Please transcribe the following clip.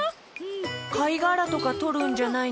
かいがらとかとるんじゃないの？